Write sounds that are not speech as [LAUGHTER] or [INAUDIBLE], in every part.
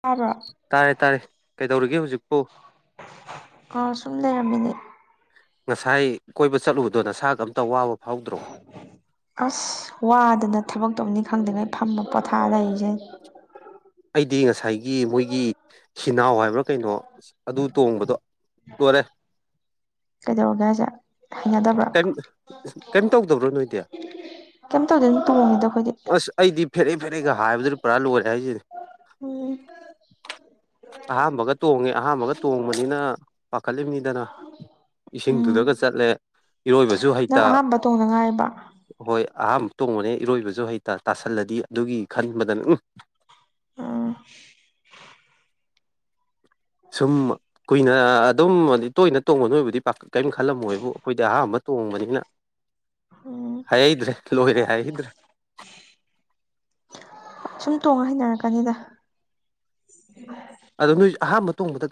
ꯇꯥꯕ꯭ꯔꯣ ꯇꯥꯔꯦ ꯇꯥꯔꯦ ꯀꯩꯗꯧꯔꯤꯒꯦ ꯍꯧꯖꯤꯛꯄꯨ ꯑ ꯁꯟ ꯂꯩꯦꯔꯕꯤꯅꯦ ꯉꯁꯥꯏ ꯀꯣꯏꯕ ꯆꯠꯂꯨꯕꯗꯣ ꯅꯁꯥꯒ ꯑꯝꯇ ꯋꯥꯕ ꯐꯥꯎꯗ꯭ꯔꯣ ꯑꯁ ꯋꯥꯗꯅ ꯊꯕꯛ ꯇꯧꯅꯤꯡ ꯈꯪꯗ꯭ꯉꯩ ꯐꯃ ꯄꯣꯊꯥ ꯂꯩꯔꯤꯁꯦ ꯑꯩꯗꯤ ꯉꯁꯥꯏꯒꯤ ꯃꯣꯏꯒꯤ ꯍꯤꯅꯥꯎ ꯍꯥꯏꯕ꯭ꯔꯥ ꯀꯩꯅꯣ ꯑꯗꯨ ꯇꯣꯡꯕꯗꯣ ꯇꯣꯔꯦ ꯀꯗꯧꯒꯖ ꯀꯔꯤꯝ ꯇꯧꯗꯕ꯭ꯔꯣ ꯅꯣꯏꯗꯤ ꯀꯩꯝ ꯇꯧꯗꯦ ꯑꯗꯨ ꯇꯣꯡꯉꯅꯤꯗ ꯑꯩꯈꯣꯏꯗꯤ ꯐꯔꯒ ꯍꯥꯏꯕꯗꯨꯔ ꯄꯨꯔꯥ ꯂꯔꯦꯁꯤ ꯎꯝ ꯑꯍꯥꯥꯟꯕꯒ ꯇꯣꯡꯉꯦ ꯑꯍꯥꯥꯟꯕꯒ ꯇꯣꯡꯕꯅꯤꯅ ꯄꯥꯈꯠꯂꯤꯕꯅꯤꯗꯅ ꯎꯝ ꯏꯁꯤꯡꯗꯨꯗꯒ ꯆꯠꯂꯦ ꯏꯔꯣꯏꯕꯁꯨ ꯅꯪ ꯍꯩꯇ ꯑꯍꯥꯟꯕ ꯇꯣꯡꯗ ꯉꯥꯏꯔꯤꯕ ꯍꯣꯏ ꯑꯍꯥꯥꯟꯕ ꯇꯣꯡꯕꯅꯦ ꯏꯔꯣꯏꯕꯁꯨ ꯍꯩꯇ ꯇꯥꯁꯜꯂꯗꯤ ꯑꯗꯨꯒꯤ ꯈꯟꯕꯗꯅ ꯎꯝ ꯑ ꯁꯨꯝ ꯀꯨꯏꯅ ꯑꯗꯨꯝꯗꯤ ꯇꯣꯏꯅ ꯇꯣꯡꯕ ꯅꯣꯏꯕꯨꯗꯤ ꯄ ꯀꯔꯤꯝ ꯈꯜꯂꯝꯃꯣꯏ ꯍꯥꯏꯕꯨ ꯑꯩꯈꯣꯏꯗꯤ ꯑꯍꯥꯟꯕ ꯇꯣꯡꯕꯅꯤꯅ ꯎꯝ ꯍꯥꯏꯩꯗ꯭ꯔꯦ ꯂꯣꯏꯔꯦ ꯍꯥꯏꯩꯗ꯭ꯔꯦ ꯇꯣꯡ ꯍꯅꯔꯛꯀꯅꯤꯗ ꯑꯗꯣ ꯅꯣꯏ ꯑꯍꯥꯟꯕ ꯇꯣꯡꯗ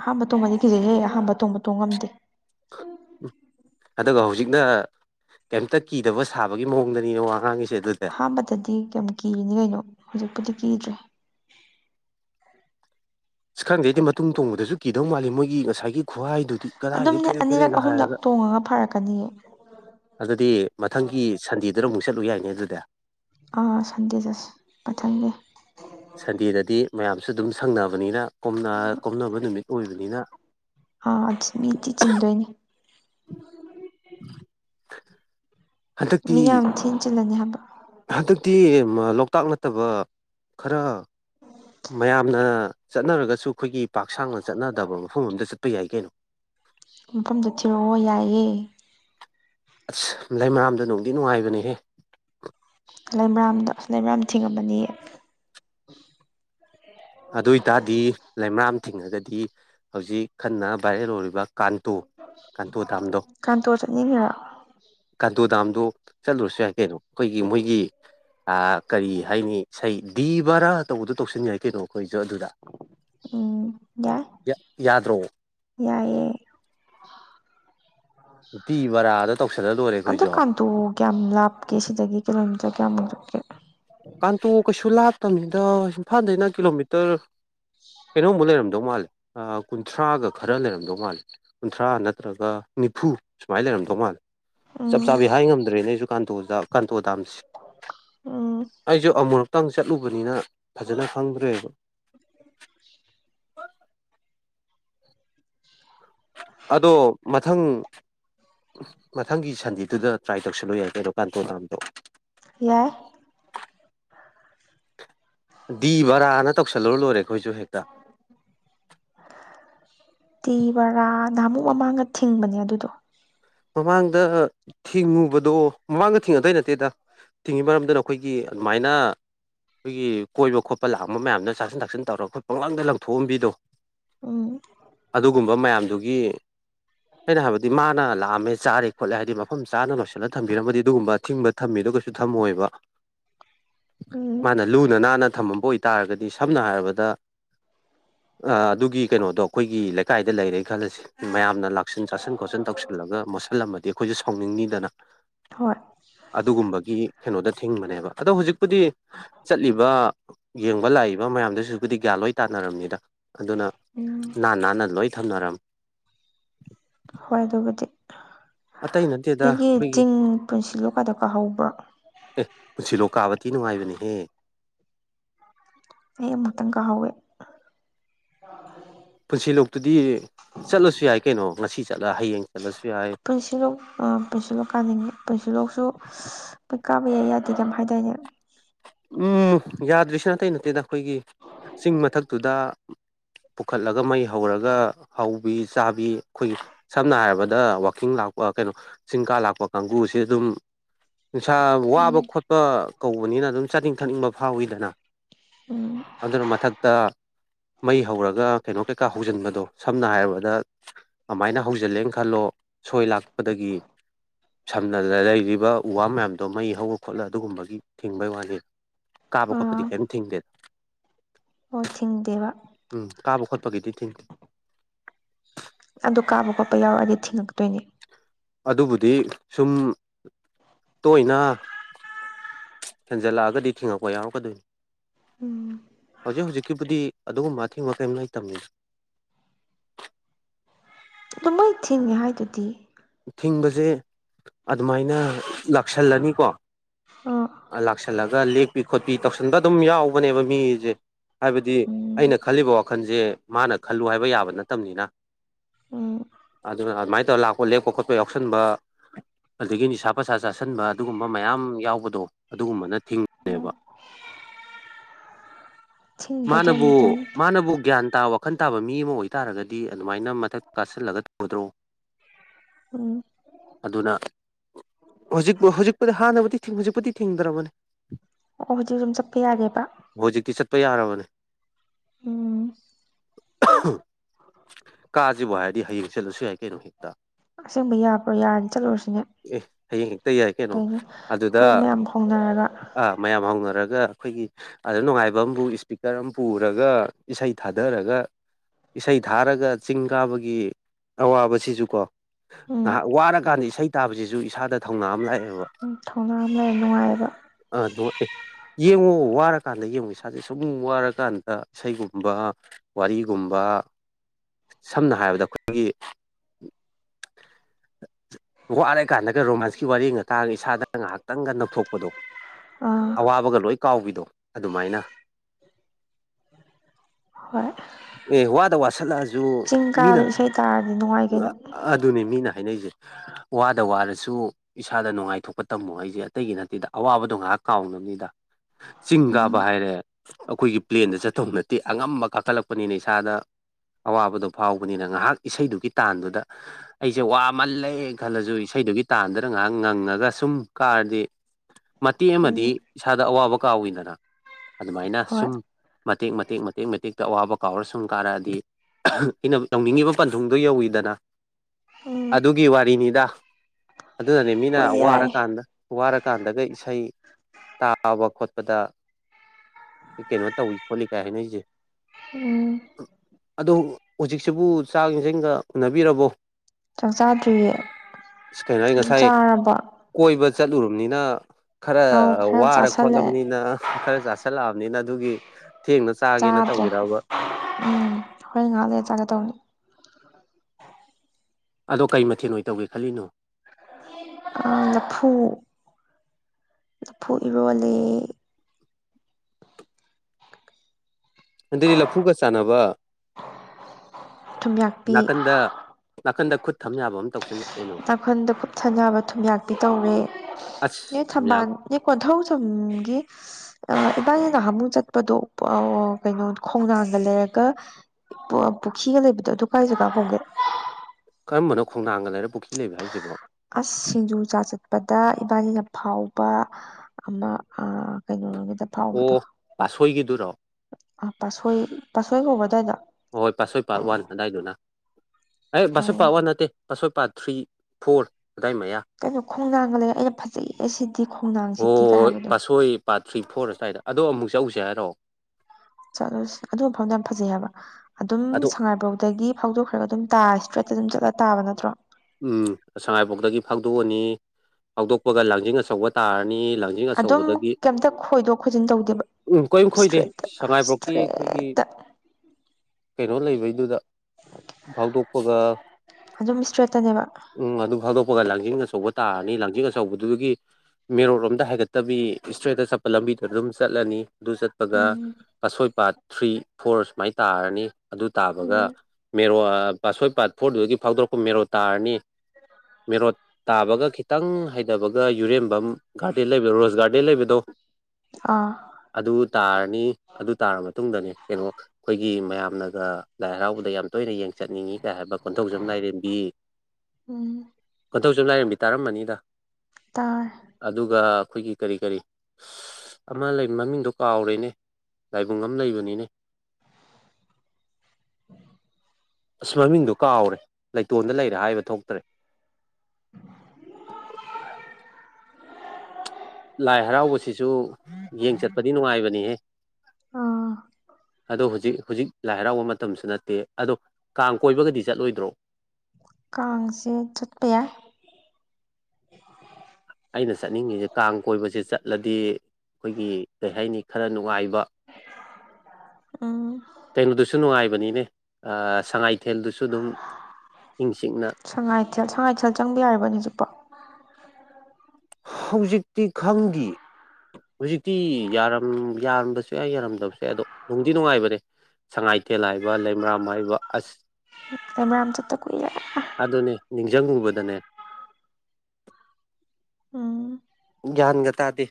ꯑꯍꯥꯝꯕ ꯇꯣꯡꯕꯗꯤ ꯀꯤꯖꯤꯛ ꯍꯦ ꯑꯍꯥꯝꯕꯇꯣꯡꯕ ꯇꯣꯡ ꯉꯝꯗꯦ ꯑꯣ ꯑꯗꯨꯒ ꯍꯧꯖꯤꯛꯅ ꯀꯩꯝꯇ ꯀꯤꯗꯕ ꯁꯥꯕꯒꯤ ꯃꯑꯣꯡꯗꯅꯤꯅꯦ ꯑꯉꯥꯡꯁꯤ ꯑꯍꯥꯟꯕꯗꯗꯤ ꯀꯌꯥꯝ ꯀꯤꯔꯤꯅꯤ ꯀꯩꯅꯣ ꯍꯧꯖꯤꯛꯄꯨꯗꯤ ꯀꯤꯗ꯭ꯔꯦ ꯁꯤ ꯈꯪꯗꯦꯩꯗꯤ ꯃꯇꯨꯡ ꯇꯣꯡꯕꯗꯁꯨ ꯀꯤꯗꯧ ꯃꯥꯜꯂꯤ ꯃꯣꯏꯒꯤ ꯉꯁꯥꯏꯒꯤ ꯈ꯭ꯋꯥꯏꯗꯨꯗꯤ ꯀꯗꯥꯏꯗꯒꯤ ꯑꯗꯨꯝꯅꯦ ꯐꯦꯔꯦ ꯑꯅꯤꯔꯛ ꯐꯦꯔꯦꯒ ꯑꯍꯨꯝꯂꯛ ꯍꯥꯏꯔꯒ ꯇꯣꯡꯉꯒ ꯐꯔꯛꯀꯅꯤꯌꯦ ꯑꯗꯨꯗꯤ ꯃꯊꯪꯒꯤ ꯁꯟꯗꯦꯗꯨꯗ ꯑꯃꯨꯛ ꯆꯠꯂꯨ ꯌꯥꯏꯅꯦ ꯑꯗꯨꯗꯤ ꯑꯥ ꯁꯟꯗꯦꯗꯁ ꯃꯊꯪꯒꯦ ꯁꯟꯗꯦꯗꯗꯤ ꯃꯌꯥꯝꯁꯨ ꯑꯗꯨꯝ ꯁꯪꯅꯕꯅꯤꯅ ꯀ ꯀꯣꯝꯅꯕ ꯅꯨꯃꯤꯠ ꯑꯣꯏꯕꯅꯤꯅ ꯑꯥ ꯑꯗꯨ ꯃꯤꯗꯤꯤ ꯆꯤꯟꯗꯣꯏꯅꯤ [UNINTELLIGIBLE] ꯍꯟꯗꯛꯇꯤ ꯃꯤ ꯌꯥꯝ ꯊꯤꯟ ꯆꯜꯂꯅꯤ ꯍꯟꯗꯛꯇꯤ ꯂꯣꯛꯇꯥꯛ ꯅꯠꯇꯕ ꯈꯔ ꯃꯌꯥꯝꯅ ꯆꯠꯅꯔꯒꯁꯨ ꯑꯩꯈꯣꯏꯒꯤ ꯄꯥꯛ ꯁꯥꯡꯅ ꯆꯠꯅꯗꯕ ꯃꯐꯝ ꯑꯝꯗ ꯆꯠꯄ ꯌꯥꯏ ꯀꯩꯅꯣ [UNINTELLIGIBLE] ꯃꯐꯝꯗ ꯊꯤꯔꯛꯑꯣ ꯌꯥꯏꯑꯦ ꯑꯁ ꯂꯩꯃꯔꯥꯝꯗꯣ ꯅꯨꯡꯗꯤ ꯅꯨꯡꯉꯥꯏꯕꯅꯤꯍꯦ ꯂꯩꯃꯔ꯭ꯔꯥꯝꯗ ꯂꯩꯃ꯭ꯔꯥꯝ ꯊꯤꯡꯉꯕꯅꯤ ꯑꯗꯨ ꯑꯣꯏꯇꯥꯔꯗꯤ ꯂꯩꯃ꯭ꯔꯥꯝ ꯊꯤꯡꯉꯒꯗꯤ ꯍꯧꯖꯤꯛ ꯈꯟꯅ ꯚꯥꯏꯔꯦꯜ ꯑꯣꯏꯔꯤꯕ ꯀꯥꯡꯇꯨ ꯀꯟꯗꯨꯗꯥꯝꯗ ꯀꯥꯟꯇꯣ ꯆꯠꯅꯤꯡꯉꯤꯔꯣ ꯀꯟꯗꯨ ꯗꯥꯝ ꯑꯗꯨꯣ ꯆꯠꯂꯨꯔꯁꯨ ꯌꯥ ꯍꯥꯏ ꯀꯩꯅꯣ ꯑꯩꯈꯣꯏꯒꯤ ꯃꯣꯏꯒꯤ ꯀꯔꯤ ꯍꯥꯏꯅꯤ ꯏꯁꯩ ꯗꯤ ꯕꯔꯥ ꯇꯧꯕꯗꯣ ꯇꯧꯁꯤꯟ ꯌꯥꯏ ꯀꯩꯅꯣ ꯑꯩꯈꯣꯏꯁꯨ ꯑꯗꯨꯗ ꯎꯝ ꯌꯥꯏ ꯌꯥꯗ꯭ꯔꯣ ꯌꯥꯏꯑꯦ ꯗꯤ ꯕꯔꯥꯗ ꯇꯧꯁꯜꯂ ꯂꯣꯏꯔꯦ ꯑꯗꯨ ꯑꯩꯈꯣꯏꯁꯨ ꯀꯥꯡꯇ ꯀꯌꯥꯝ ꯂꯥꯞꯀꯦ ꯁꯤꯗꯒꯤ ꯀꯔ ꯆ ꯀꯌꯥꯃ ꯆꯛꯦ ꯀꯥꯡꯇꯣꯛ ꯀꯩꯁꯨ ꯂꯥꯞꯇꯕꯅꯤꯗ ꯏꯝꯐꯥꯜꯗꯩꯅ ꯀꯤꯂꯣꯃꯤꯇꯔ ꯀꯩꯅꯣꯝꯕ ꯂꯩꯔꯝꯗꯧ ꯃꯥꯜꯂꯦ ꯀꯨꯟꯊ꯭ꯔꯥꯒ ꯈꯔ ꯂꯩꯔꯝꯗꯧ ꯃꯥꯜꯂꯦ ꯀꯨꯟꯊ꯭ꯔꯥ ꯅꯠꯇ꯭ꯔꯒ ꯅꯤꯐꯨ ꯁꯨꯃꯥꯏꯅ ꯂꯩꯔꯝꯗꯧ ꯃꯥꯜꯂꯦ ꯆꯞ ꯎꯝ ꯆꯥꯕꯤ ꯍꯥꯏ ꯉꯝꯗ꯭ꯔꯦꯅꯦ ꯑꯩꯁꯨ ꯀꯇꯣꯗ ꯀꯥꯟꯇꯣ ꯗꯥꯝ ꯎꯝ ꯑꯩꯁꯨ ꯑꯃꯨꯔꯛꯇꯪ ꯆꯠꯂꯨꯕꯅꯤꯅ ꯐꯖꯅ ꯈꯪꯗ꯭ꯔꯦꯕ [UNINTELLIGIBLE] ꯑꯗꯣ ꯃꯊꯪ ꯃꯊꯪꯒꯤ ꯁꯟꯗꯦꯗꯨꯗ ꯇ꯭ꯔꯥꯏ ꯇꯧꯁꯜꯂꯨ ꯌꯥꯏ ꯀꯩꯅꯣꯀꯥꯟ ꯇꯣꯅꯥꯝꯗꯣ ꯌꯥꯏ ꯗꯤ ꯕꯔꯥꯅ ꯇꯧꯁꯜꯂꯨꯔ ꯂꯣꯏꯔꯦ ꯑꯩꯣꯏꯁꯨ ꯍꯦꯛꯇ ꯇꯤ ꯕꯔꯥ ꯅꯍꯥꯃꯨꯛ ꯃꯃꯥꯡꯒ ꯊꯤꯡꯕꯅꯦ ꯑꯗꯨꯗꯣ ꯃꯃꯥꯡꯗ ꯊꯤꯡꯉꯨꯕꯗꯣ ꯃꯃꯥꯡꯗ ꯊꯤꯡꯉꯗꯏ ꯅꯠꯇꯦꯗ ꯊꯤꯡꯉꯤ ꯃꯔꯝꯗꯅ ꯑꯩꯈꯣꯏꯒꯤ ꯑꯗꯨ ꯃꯥꯏꯅ ꯑꯩꯈꯣꯏꯒꯤ ꯀꯣꯏꯕ ꯈꯣꯠꯄ ꯂꯥꯛꯑꯝꯕ ꯃꯌꯥꯝꯗ ꯆꯥꯁꯤꯟ ꯇꯥꯁꯤꯟ ꯇꯧꯔꯒ ꯑꯩꯈꯣꯏ ꯄꯪꯂꯥꯡꯗ ꯂꯪꯊꯣꯛꯑꯝꯕꯤꯗꯣ ꯎꯝ ꯑꯗꯨꯒꯨꯝꯕ ꯃꯌꯥꯝꯗꯨꯒꯤ ꯑꯩꯅ ꯍꯥꯏꯕꯗꯤ ꯃꯥꯅ ꯂꯥꯛꯑ ꯃꯦ ꯆꯥꯔꯦ ꯈꯣꯠꯂꯦ ꯍꯥꯏꯕꯗꯤ ꯃꯐꯝ ꯆꯥꯅ ꯂꯣꯏꯁꯤꯜꯂ ꯊꯝꯕꯤꯔꯝꯃꯗꯤ ꯑꯗꯨꯒꯨꯝꯕ ꯑꯊꯤꯡꯕ ꯊꯝꯃꯤꯗꯨꯒꯁꯨ ꯊꯝꯃꯣꯏꯕ ꯎꯝ ꯃꯥꯅ ꯂꯨꯅ ꯅꯥꯟꯅ ꯊꯝꯃꯝꯕ ꯑꯣꯏꯇꯥꯥꯔꯒꯗꯤ ꯁꯝꯅ ꯍꯥꯏꯔꯕꯗ [UNINTELLIGIBLE] ꯑꯗꯨꯒꯤ ꯀꯩꯅꯣꯗꯣ ꯑꯩꯈꯣꯏꯒꯤ ꯂꯩꯀꯥꯏꯗ ꯂꯩꯔꯦ ꯈꯜꯂꯁꯦ ꯃꯌꯥꯝꯅ ꯂꯥꯛꯁꯤꯟ ꯆꯥꯁꯤꯟ ꯈꯣꯠꯆꯤꯟ ꯇꯧꯁꯤꯜꯂꯒ ꯃꯣꯠꯁꯤꯜꯂꯝꯃꯗꯤ ꯑꯩꯈꯣꯏꯁꯨ ꯁꯥꯎꯅꯤꯡꯅꯤꯗꯅ ꯍꯣꯏ ꯑꯗꯨꯒꯨꯝꯕꯒꯤ ꯀꯩꯅꯣꯗ ꯊꯤꯡꯕꯅꯦꯕ ꯑꯗꯣ ꯍꯧꯖꯤꯛꯄꯨꯗꯤ ꯆꯠꯂꯤꯕ ꯌꯦꯡꯕ ꯂꯥꯛꯏꯕ ꯃꯌꯥꯝꯗ ꯍꯧꯖꯤꯛꯄꯗꯤ ꯒ꯭ꯌꯥꯟ ꯂꯣꯏ ꯇꯅꯔꯝꯅꯤꯗ ꯑꯗꯨꯅ ꯎꯝ ꯅꯥꯟꯅ ꯂꯣꯏ ꯊꯔꯝꯃꯤ ꯍꯣꯏ ꯑꯗꯨꯒꯕꯨꯗꯤ ꯅꯠꯇꯦꯗ ꯅꯣꯏꯒꯤ ꯑꯩꯈꯣꯏꯒꯤ ꯆꯤꯡ ꯄꯨꯟꯁꯤꯂꯣ ꯀꯗ ꯀꯥꯍꯧꯕ꯭ꯔ ꯄꯨꯟꯁꯤꯂꯣ ꯀꯥꯕꯗꯤꯤ ꯅꯨꯡꯉꯥꯏꯕꯅꯤꯍꯦ ꯑꯩ ꯑꯃꯨꯛꯇꯪ ꯀꯥꯍꯧꯋꯦ ꯁꯤꯂꯣꯛꯇꯨꯗꯤ ꯆꯠꯂꯁꯨ ꯌꯥꯏ ꯀꯩꯅꯣ ꯉꯁꯤ ꯆꯠꯂ ꯍꯌꯦꯡ ꯆꯠꯂꯁꯨ ꯌꯥꯏ ꯄꯨꯟꯁꯤꯂꯣꯛ ꯄꯨꯟꯁꯤꯂꯣꯛ ꯀꯥꯅꯤꯡꯉꯤ ꯄꯨꯟꯁꯤꯂꯣꯛꯁꯨ ꯀꯥꯕ ꯌꯥꯏ ꯌꯥꯗꯦ ꯀꯩꯝ ꯍꯥꯏꯗꯥꯏꯅꯦ ꯎꯝ ꯌꯥꯗ꯭ꯔꯤꯁꯨ ꯅꯅꯥꯇꯩ ꯅꯠꯇꯦꯗ ꯑꯩꯈꯣꯏꯒꯤ ꯆꯤꯡ ꯃꯊꯛꯇꯨꯗ ꯄꯨꯈꯠꯂꯒ ꯃꯩ ꯍꯧꯔꯒ ꯍꯧꯕꯤ ꯆꯥꯕꯤ ꯑꯩꯈꯣꯏꯒꯤ ꯁꯝꯅ ꯍꯥꯏꯔꯕꯗ ꯋꯥꯋꯥꯛꯀꯤꯡ ꯂꯥꯛꯄ ꯀꯩꯅꯣ ꯆꯤꯡꯀꯥ ꯂꯥꯛꯄ ꯀꯥꯡꯕꯨꯁ ꯑꯗꯨꯝ ꯅꯨꯡꯁꯥ ꯋꯥꯕ ꯎꯝ ꯈꯣꯠꯄ ꯀꯧꯕꯅꯤꯅ ꯑꯗꯨꯝ ꯆꯥꯅꯤꯡ ꯊꯛꯅꯤꯡꯕ ꯐꯥꯎꯋꯤꯗꯅ ꯎꯝ ꯑꯗꯨꯅ ꯃꯊꯛꯇ ꯃꯩ ꯍꯧꯔꯒ ꯀꯩꯅꯣ ꯀꯩꯀꯥ ꯍꯧꯖꯤꯟꯕꯗꯣ ꯁꯝꯅ ꯍꯥꯏꯔꯕꯗ ꯑꯗꯨꯃꯥꯏꯅ ꯍꯧꯖꯤꯜꯂꯦꯅ ꯈꯜꯂꯣ ꯁꯣꯏ ꯂꯥꯛꯄꯗꯒꯤ ꯁꯝꯅ ꯂꯩꯔꯤꯕ ꯎ ꯋꯥ ꯃꯌꯥꯝꯗꯣ ꯃꯩ ꯍꯧꯔ ꯈꯣꯠꯂ ꯑꯗꯨꯒꯨꯝꯕꯒꯤ ꯊꯤꯡꯕꯩ ꯋꯥꯅꯤ ꯀꯥꯕ ꯈꯣꯠꯄꯗꯤ ꯑꯥ ꯀꯩꯝ ꯊꯤꯡꯗꯦꯗ ꯑꯣ ꯊꯤꯡꯗꯦꯕ ꯎꯝ ꯀꯥꯕꯈꯠ ꯄꯒꯤꯗꯤ ꯊ ꯑꯗꯨ ꯀꯥꯕ ꯈꯣꯠꯄ ꯌꯥꯎꯔꯛꯑꯗꯤ ꯊꯤꯡꯉꯛꯇꯣꯏꯅꯦ ꯑꯗꯨꯕꯨꯗꯤ ꯁꯨꯝ ꯇꯣꯏꯅ ꯍꯦꯟꯖꯜꯂꯛꯑꯒꯗꯤ ꯊꯤꯡꯉꯛꯄ ꯌꯥꯎꯔꯛꯀꯗꯣꯏꯅꯤ ꯎꯝ ꯑꯩ ꯍꯧꯖꯤꯛꯀꯤꯕꯨꯗꯤ ꯑꯗꯨꯒꯨꯝꯕ ꯑꯊꯤꯡꯕ ꯀꯔꯤꯝꯇ ꯂꯩ ꯇꯝꯃꯤ ꯑꯗꯨ ꯃꯩ ꯊꯤꯟꯉꯦ ꯍꯥꯏꯗꯨꯗꯤ ꯊꯤꯡꯕꯁꯦ ꯑꯗꯨꯃꯥꯏꯅ ꯂꯥꯛꯁꯜꯂꯅꯤꯀꯣ ꯑꯥ ꯂꯥꯛꯁꯜꯂꯒ ꯂꯦꯛꯄꯤ ꯈꯣꯠꯄꯤ ꯇꯧꯁꯟꯕ ꯑꯗꯨꯝ ꯌꯥꯎꯕ ꯅꯦꯕ ꯃꯤꯁꯦ ꯍꯥꯏꯕꯗꯤ ꯎꯝ ꯑꯩꯅ ꯈꯜꯂꯤꯕ ꯋꯥꯈꯜ ꯈꯟꯁꯦ ꯃꯥꯅ ꯈꯜꯂꯨ ꯍꯥꯏꯕ ꯌꯥꯕ ꯅꯠꯇꯕꯅꯤꯅ ꯎꯝ ꯑꯗꯨꯅ ꯑꯗꯨꯃꯥꯏꯅ ꯇꯧꯔ ꯂꯥꯛꯄ ꯑꯣꯠ ꯂꯦꯛꯄ ꯈꯣꯠꯄ ꯌꯥꯎꯁꯟꯕ ꯑꯗꯒꯤ ꯅꯤꯁꯥ ꯄꯁꯥ ꯆꯥꯥꯁꯟꯕ ꯑꯗꯨꯒꯨꯝꯕ ꯃꯌꯥꯝ ꯌꯥꯎꯕꯗꯣ ꯑꯗꯨꯒꯨꯝꯕ ꯅꯠꯇꯦ ꯎꯝ ꯊꯤꯡꯕ ꯊꯤꯡꯗ꯭ꯔꯗꯤ ꯑꯃꯨꯛꯇꯪ ꯃꯥꯅꯕꯨ ꯃꯥꯅꯕꯨ ꯒ꯭ꯌꯥꯟ ꯋꯥꯈꯟ ꯇꯥꯕ ꯃꯤ ꯑꯃ ꯑꯣꯏꯇꯥꯥꯔꯒꯗꯤ ꯑꯗꯨꯃꯥꯏꯅ ꯃꯊꯛꯇ ꯀꯥꯁꯤꯜꯂꯒ ꯇꯧꯒꯗ꯭ꯔꯣ ꯎꯝ ꯑꯗꯨꯅ ꯍꯧꯖꯤꯛ ꯍꯧꯖꯤꯛꯄꯨꯗꯤ ꯍꯥꯟꯅꯕꯨꯗꯤ ꯍꯧꯖꯤꯛꯄꯨꯗꯤ ꯊꯤꯡꯗ꯭ꯔꯕꯅꯤ ꯑꯣ ꯍꯧꯖꯤꯛ ꯁꯨꯝ ꯆꯠꯄ ꯌꯥꯒꯦꯕ ꯄꯄ ꯌꯥꯔꯕꯅꯦ ꯎꯝ ꯀꯥꯁꯤꯕꯨ ꯍꯥꯏꯔꯗꯤ ꯍꯌꯦꯡ ꯆꯠꯂꯁꯨ ꯌꯥꯏ ꯀꯩꯅꯣ ꯍꯦꯛꯇ ꯑꯁꯦꯡꯕ ꯌꯥꯕ꯭ꯔꯣ ꯌꯥꯔꯅꯤ ꯆꯠꯂꯨꯔꯁꯤꯅꯦ ꯑꯦ ꯍꯌꯦꯡ ꯍꯦꯛꯇ ꯌꯥꯏ ꯀꯩꯅꯣ ꯑꯗꯨꯗ ꯑꯩꯈꯣꯏ ꯃꯌꯥꯝ ꯍꯧꯅꯔꯒ ꯑꯥ ꯃꯌꯥꯝ ꯍꯧꯅꯔꯒ ꯑꯩꯈꯣꯏꯒꯤ ꯑꯗꯨ ꯅꯨꯡꯉꯥꯏꯕ ꯑꯃꯕꯨ ꯏꯁꯄꯤꯀꯔ ꯑꯃ ꯄꯨꯔꯒ ꯏꯁꯩ ꯊꯥꯗꯔꯒ ꯏꯁꯩ ꯊꯥꯔꯒ ꯆꯤꯡ ꯀꯥꯕꯒꯤ ꯑꯋꯥꯕꯁꯤꯁꯨ ꯀꯣ ꯎꯝ ꯉꯍꯥꯛ ꯋꯥꯔꯀꯥꯟꯗ ꯏꯁꯩ ꯇꯥꯕꯁꯤꯁꯨ ꯏꯁꯥꯗ ꯊꯧꯅꯥ ꯑꯃ ꯂꯥꯛꯑꯦ ꯊꯧꯅꯥ ꯂꯩ ꯅꯨꯡꯉꯥꯏꯕ ꯌꯦꯡꯉꯣꯑꯣ ꯋꯥꯔꯀꯥꯟꯗ ꯌꯦꯡꯉꯨꯁꯦ ꯏꯁꯥꯁꯦ ꯁꯨꯝꯨꯡ ꯋꯥꯔꯀꯥꯟꯗ ꯏꯁꯩꯒꯨꯝꯕ ꯋꯥꯔꯤꯒꯨꯝꯕ ꯁꯝꯅ ꯍꯥꯏꯔꯕꯗ ꯑꯩꯈꯣꯏꯒꯤ ꯋꯥꯔꯀꯥꯟꯗꯒ ꯔꯣꯃꯥꯟꯁꯀꯤ ꯋꯥꯔꯤ ꯉ ꯇꯥꯔꯒ ꯏꯁꯥꯗ ꯉꯥꯏꯍꯥꯛꯇꯪꯒ ꯅꯧꯊꯣꯛꯄꯗꯣ ꯑꯥ ꯑꯋꯥꯕꯒ ꯂꯣꯏ ꯀꯥꯎꯕꯤꯗꯣ ꯑꯗꯨꯃꯥꯏꯅ ꯍꯣꯏ ꯑꯦ ꯋꯥꯗ ꯋꯥꯁꯠꯂꯛꯑꯁꯨ ꯆꯤꯡ ꯀꯥꯕ ꯃꯤꯅ ꯏꯁꯩ ꯇꯥꯔꯗꯤ ꯅꯨꯡꯉꯥꯏ ꯀꯩꯅꯣ ꯑꯗꯨꯅꯤ ꯃꯤꯅ ꯍꯥꯏꯅꯩꯁꯦ ꯋꯥꯗ ꯋꯥꯗꯁꯨ ꯏꯁꯥꯗ ꯅꯨꯡꯉꯥꯏꯊꯣꯛꯄ ꯇꯝꯃꯣ ꯑꯩꯁꯦ ꯑꯇꯩꯒꯤ ꯅꯠꯇꯦꯗ ꯑꯋꯥꯕꯗꯣꯉꯥꯏ ꯀꯥꯎꯅꯕꯅꯤꯗ ꯆꯤꯡ ꯀꯥꯕ ꯎꯝ ꯍꯥꯏꯔꯦ ꯑꯩꯈꯣꯏꯒꯤ ꯄ꯭ꯂꯦꯟꯗ ꯆꯠꯇꯧꯕ ꯅꯠꯇꯦ ꯑꯉꯝꯕ ꯀꯥꯈꯠꯂꯛꯄꯅꯤꯅꯦ ꯏꯁꯥꯗ ꯑꯋꯥꯕꯗꯣ ꯐꯥꯎꯕꯅꯤꯅ ꯉꯥꯏꯍꯥꯛ ꯏꯁꯩꯗꯨꯒꯤ ꯇꯥꯟꯗꯨꯗ ꯑꯩ ꯁꯦ ꯋꯥꯃꯜꯂꯦ ꯈꯜꯂꯁꯨ ꯏꯁꯩꯗꯨꯒꯤ ꯇꯥꯟꯗꯅ ꯉꯥꯏꯍꯥꯛ ꯉꯪꯉꯒ ꯁꯨꯝ ꯀꯥꯔꯗꯤ ꯃꯇꯦꯛ ꯑꯃꯗꯤ ꯎꯝ ꯏꯁꯥꯗ ꯑꯋꯥꯕ ꯀꯥꯎꯋꯤꯗꯅ ꯑꯗꯨꯃꯥꯏꯅ ꯍꯣꯏ ꯁꯨꯝ ꯃꯇꯦꯛ ꯃꯇꯤꯦꯛ ꯃꯇꯦꯛ ꯃꯇꯤꯦꯛꯇ ꯑꯋꯥꯕ ꯀꯥꯎꯔ ꯁꯨꯝ ꯀꯥꯔꯛꯑꯗꯤ ꯑꯩꯅ ꯇꯧꯅꯤꯡꯉꯤꯕ ꯄꯟꯊꯨꯡꯗꯣ ꯌꯧꯋꯤꯗꯅ ꯎꯝ ꯑꯗꯨꯒꯤ ꯋꯥꯔꯤꯅꯤꯗ ꯑꯗꯨꯅꯅꯦ ꯍꯣꯏ ꯃꯤꯅ ꯌꯥꯏ ꯋꯥꯔꯀꯥꯟꯗ ꯋꯥꯔ ꯀꯥꯟꯗꯒ ꯏꯁꯩ ꯇꯥꯕ ꯈꯣꯠꯄꯗ ꯀꯩꯅꯣ ꯇꯧꯏ ꯈꯣꯠꯂꯤ ꯀꯥꯏ ꯍꯥꯏꯅꯁꯦ ꯎꯝ ꯑꯣ ꯍꯧꯖꯤꯛꯁꯤꯕꯨ ꯆꯥꯛ ꯌꯦꯁꯤꯡꯒ ꯎꯅꯕꯤꯔꯕꯣ ꯆꯥꯛ ꯆꯥꯗ꯭ꯔꯤꯌꯦ ꯀꯩꯅꯣ ꯑꯩ ꯉꯁꯥꯏ ꯆꯥꯔꯕ ꯀꯣꯏꯕ ꯆꯠꯂꯨꯔꯕꯅꯤꯅ ꯈꯔ ꯋꯥꯔ ꯈꯣꯠꯂꯕꯅꯤꯅ ꯈꯔ ꯆꯥꯥꯁꯜꯂꯛꯑꯅꯤ ꯅꯤꯂꯗꯨꯒꯒꯤ ꯆꯥꯗ꯭ꯔꯦ ꯎꯝ ꯍꯣꯏ ꯉꯥꯂꯦ ꯆꯥꯒꯗꯧꯕꯅꯤ ꯑꯗꯣ ꯀꯩ ꯃꯊꯦꯜ ꯑꯣꯏ ꯇꯧꯒꯦ ꯈꯜꯂꯤꯅꯣ ꯂꯐꯨ ꯂꯐꯨ ꯏꯔꯣꯜꯂꯤ ꯍꯟꯗꯅꯤ ꯂꯐꯨꯒ ꯆꯥꯟꯅꯕ ꯊꯨꯝꯌꯥꯛꯄꯤ ꯀꯟꯗ ꯈꯨꯠ ꯊꯝ ꯌꯥꯕ ꯑꯃ ꯇꯧꯁꯤꯟꯈ꯭ꯔꯀꯦ ꯅꯥꯈꯟꯗ ꯀꯨꯞꯊꯅꯕ ꯊꯨꯝꯌꯥꯛꯇꯤ ꯇꯧꯋꯦ ꯑꯁ ꯅꫭꯏ ꯊꯨꯝꯌꯥꯛ ꯊꯕꯥꯜ ꯅꫭꯏ ꯀꯣꯟꯊꯧꯖꯝꯝꯒꯤ ꯏꯕꯥꯅꯤ ꯅꯍꯥꯃꯨꯛ ꯆꯠꯄꯗꯣ ꯀꯩꯅꯣ ꯈꯣꯡꯅꯥꯡꯒ ꯂꯩꯔꯒ ꯄꯨꯈꯤꯒ ꯂꯩꯕꯗꯣ ꯑꯗꯨ ꯀꯥꯏ ꯖꯒ ꯀꯧꯒꯦ ꯀꯔꯝꯕꯅꯣ ꯈꯣꯡꯅꯥꯡꯒ ꯂꯩꯔ ꯄꯨꯈ꯭ꯔꯤ ꯂꯩꯕ ꯍꯥꯏꯁꯤꯕꯣ ꯑꯁ ꯁꯤꯡꯖꯨ ꯆꯥ ꯆꯠꯄꯗ ꯏꯕꯥꯅꯤꯅ ꯐꯥꯎꯕ ꯑꯃ ꯑ ꯀꯩꯅꯣ ꯗ ꯐꯥꯎꯕꯗꯣ ꯑꯣ ꯄꯥꯠꯁꯣꯏꯒꯤꯗꯨꯔꯣ ꯑ ꯄꯥꯠꯁꫭꯏ ꯄꯥꯠꯁꯣꯏ ꯀꯧꯕ꯭ꯔ ꯑꯗꯥꯏꯗꫭ ꯍꯣꯏ ꯄꯥꯠꯁꯣꯏ ꯄꯥꯠ ꯋꯥꯟ ꯑꯗꯥꯏꯗꯨꯅ ꯑꯦ ꯄꯥꯠꯁꯣꯏ ꯑꯣ ꯄꯥꯠ ꯋꯥꯟ ꯅꯠꯇꯦ ꯄꯥꯠꯁꯣꯏ ꯄꯥꯠ ꯊ꯭ꯔꯤ ꯐꯣꫪ ꯑꯗꯥꯏ ꯃꯌꯥ ꯀꯩꯅꯣ ꯈꯣꯡꯅꯥꯡꯒ ꯂꯩꯔ ꯑꯩꯅ ꯐꯖꯩꯌꯦ ꯁꯤꯗꯤ ꯈꯣꯡꯅꯥꯡ ꯁꯤꯇꯤꯒ ꯍꯣꯏ ꯍꯥꯏꯕꯗꯣ ꯄꯥꯠꯁꯣꯏ ꯄꯥꯠ ꯊ꯭ꯔꯤ ꯐꯣꯔ ꯑꯁ꯭ꯋꯥꯏꯗ ꯑꯗꯣ ꯑꯃꯨꯛ ꯆꯠꯎꯁꯦ ꯍꯥꯏꯔꯣ ꯆꯠꯂꯁꯤ ꯑꯗꯨ ꯃꯐꯝꯗꫭ ꯌꯥꯝ ꯐꯖꯩ ꯍꯥꯏꯕ ꯑꯗꯨꯝ ꯑꯗꯣ ꯁꯉꯥꯏꯕ꯭ꯔꯧꯗꯒꯤ ꯐꯥꯎꯗꯣꯛꯈ꯭ꯔꯒ ꯑꯗꯨꯝ ꯇꯥ ꯏꯁꯇ꯭ꯔꯦꯠꯇ ꯑꯗꯨꯝ ꯆꯠꯂ ꯇꯥꯕ ꯅꯠꯇ꯭ꯔꯣ ꯎꯝ ꯁꯉꯥꯏꯄꯣꯛꯒꯤ ꯐꯥꯎꯗꯣꯛꯑꯅꯤ ꯐꯥꯎꯗꯣꯛꯄꯒ ꯂꯥꯡꯖꯤꯡ ꯑꯆꯧꯕ ꯇꯥꯔꯅꯤ ꯂꯥꯡꯖꯤꯡ ꯑꯗꯨꯝ ꯑꯆꯧꯕꯗꯒꯤ ꯀꯩꯝꯇ ꯈꯣꯏꯗꯣꯛ ꯈꯣꯏꯖꯤꯟ ꯇꯧꯗꯦꯕ ꯎꯝ ꯀꯩꯝ ꯈꯣꯏꯗꯦ ꯏꯁꯇ꯭ꯔꯦꯠꯇ ꯁꯉꯥꯏꯕ꯭ꯔꫭꯛꯀꯤ ꯑꯩꯈꯣꯏꯒꯤ ꯏꯁꯇ꯭ꯔꯦꯠꯇ ꯀꯩꯅꯣ ꯂꯩꯕꯩꯗꯨꯗ ꯐꯥꯎꯗꯣꯛꯄꯒ ꯑꯗꯨꯝ ꯏꯁꯇ꯭ꯔꯦꯠꯇꯅꯦꯕ ꯎꯝ ꯑꯗꯨ ꯐꯥꯗꯣꯛꯄꯒ ꯂꯥꯡꯖꯤꯡ ꯑꯆꯧꯕ ꯇꯥꯔꯅꯤ ꯂꯥꯡꯖꯤꯡ ꯑꯆꯧꯕꯗꯨꯒꯤ ꯃꯦꯔꯣꯠ ꯔꯣꯝꯗ ꯍꯥꯏꯒꯠꯇꯕꯤ ꯏꯁꯇ꯭ꯔꯦꯠꯇ ꯆꯠꯄ ꯂꯝꯕꯤꯗ ꯑꯗꯨꯝ ꯆꯠꯂꯅꯤ ꯑꯗꯨ ꯆꯠꯄꯒ ꯎꯝ ꯄꯥꯠꯁꯣꯏ ꯄꯥꯠ ꯊ꯭ꯔꯤ ꯐꯣꫪ ꯁꯨꯃꯥꯏ ꯇꯥꯔꯅꯤ ꯑꯗꯨ ꯇꯥꯕꯒ ꯎꯝ ꯃꯦꯔꯣꯠ ꯄꯥꯠꯁꯣꯏ ꯄꯥꯠ ꯐꯣꫪꯗꯨꯗꯒꯤ ꯐꯥꯎꯗꯣꯔꯛꯄ ꯃꯦꯔꯣꯠ ꯇꯥꯔꯅꯤ ꯃꯦꯔꯣꯠ ꯇꯥꯕꯒ ꯈꯤꯇꯪ ꯍꯩꯊꯕꯒ ꯌꯨꯔꯦꯝꯕꯝ ꯒꯥꫪꯗꯦꯟ ꯂꯩꯕ ꯔꯣꯁ ꯒꯥꯗꯦꯟ ꯂꯩꯕꯗꯣ ꯑꯥ ꯑꯗꯨ ꯇꯥꯔꯅꯤ ꯑꯗꯨ ꯇꯥꯔꯕ ꯃꯇꯨꯡ ꯃꯇꯨꯡꯗꯅꯦ ꯀꯩꯅꯣ ꯑꯩꯈꯣꯏꯒꯤ ꯃꯌꯥꯝꯅꯒ ꯂꯥꯏ ꯍꯔꯥꯎꯕꯗ ꯌꯥꯝ ꯇꯣꯏꯅ ꯌꯦꯡ ꯆꯠꯅꯤꯡꯉꯤ ꯀꯥꯏ ꯍꯥꯏꯕ ꯀꯣꯟꯊꯧꯖꯝ ꯂꯥꯏ ꯂꯥꯏꯔꯦꯝꯕꯤ ꯎꯝ ꯀꫭꯟꯊꯧꯖꯝ ꯂꯥꯏꯔꯦꯝꯕꯤ ꯇꯥꯔꯝꯃꯅꯤꯗ ꯇꯥꯔꯦ ꯑꯗꯨꯒ ꯑꯩꯈꯣꯏꯒꯤ ꯀꯔꯤ ꯀꯔꯤ ꯑꯃ ꯂꯩ ꯃꯃꯤꯡꯗꯣ ꯀꯥꯎꯔꯦꯅꯦ ꯂꯥꯏꯕꯨꯡ ꯑꯃ ꯂꯩꯕꯅꯤꯅꯦ ꯑꯁ ꯃꯃꯤꯡꯗꯣ ꯀꯥꯎꯔꯦ ꯂꯩꯇꯣꯟꯗ ꯂꯩ ꯍꯥꯏꯕ ꯊꯣꯛꯇ꯭ꯔꯦ ꯂꯥꯏ ꯍꯔꯥꯎꯕꯁꯤꯁꯨ ꯌꯦꯡ ꯆꯠꯄꯗꯤ ꯅꯨꯡꯉꯥꯏꯕꯅꯤꯍꯦ ꯑꯥ ꯑꯗꯣ ꯍꯧꯖꯤꯛ ꯍꯧꯖꯤꯛ ꯂꯥꯏ ꯍꯔꯥꯎꯕ ꯃꯇꯝꯁꯨ ꯅꯠꯇꯦ ꯑꯗꯣ ꯀꯥꯡ ꯀꯣꯏꯕꯒꯗꯤ ꯆꯠꯂꯣꯏꯗ꯭ꯔꯣ ꯀꯥꯡꯁꯦ ꯆꯠꯄ ꯌꯥꯏ ꯑꯩꯅ ꯆꯠꯅꯤꯡꯉꯤꯁꯦ ꯀꯥꯡ ꯀꯣꯏꯕꯁꯦ ꯆꯠꯂꯗꯤ ꯑꯩꯈꯣꯏꯒꯤ ꯀꯩ ꯍꯥꯏꯅꯤ ꯈꯔ ꯅꯨꯡꯉꯥꯏꯕ ꯎꯝ ꯀꯩꯅꯣꯗꯨꯁꯨ ꯅꯨꯡꯉꯥꯏꯕꯅꯤꯅꯦ ꯑꯁꯉꯥꯏ ꯊꯦꯜꯗ ꯁꯨ ꯑꯗꯨꯨꯝ ꯏꯪ ꯆꯤꯛꯅ ꯁꯉꯥꯏꯊꯦꯜ ꯁꯉꯥꯏꯊꯦꯜ ꯆꯪꯕ ꯌꯥꯔꯤꯕꯅꯦ ꯍꯧꯖꯤꯛꯄꯣ ꯍꯧꯖꯤꯛꯇꯤ ꯈꯪꯗꯤꯌꯦ ꯍꯧꯖꯤꯛꯇꯤ ꯌꯥꯔꯝ ꯌꯥꯔꯝꯕꯁꯨ ꯌꯥꯏ ꯌꯥꯔꯝꯗꯕꯁꯨ ꯌꯥꯏ ꯑꯗꯣ ꯅꯨꯡꯗꯤ ꯅꯨꯡꯉꯥꯏꯕꯅꯦ ꯁꯉꯥꯏꯊꯦꯜ ꯍꯥꯏꯕ ꯂꯩꯃꯔꯥꯝ ꯍꯥꯏꯕ ꯑꯁ ꯂꯩꯃꯔꯥꯝ ꯆꯠꯇ ꯀꯨꯏꯔꯦ ꯅꯤꯡꯖꯪꯉꯨꯕꯗꯅꯦ ꯎꯝ ꯒ꯭ꯌꯥꯟ ꯒ ꯇꯥꯗꯦ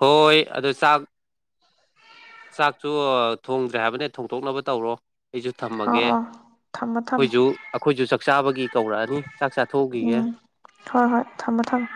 ꯍꯣꯏ ꯑꯗꯣ ꯆꯥꯛ ꯆꯥꯛꯁꯨ ꯊꯣꯡꯗ꯭ꯔꯦ ꯍꯥꯏꯕꯅꯦ ꯊꯣꯡꯗꯣꯛꯅꯕ ꯇꯧꯔꯣ ꯑꯩꯁꯨ ꯑꯣ ꯊꯝꯃꯒꯦ ꯑꯣ ꯊꯝꯃꯣ ꯊꯝꯃꯣ ꯑꯩꯈꯣꯏꯁꯨ ꯑꯩꯈꯣꯏꯁꯨ ꯆꯥꯛꯆꯥꯥꯕꯒꯤ ꯀꯧꯔꯛꯑꯅꯤ ꯆꯥꯛꯆꯥꯥ ꯊꫭꯛꯎꯈꯤꯒꯦ ꯎꯝ ꯍꯣꯏ ꯍꯣꯏ ꯊꯝꯃꯣ ꯊꯝꯃꯣ